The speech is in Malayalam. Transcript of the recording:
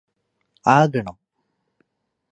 ആകണം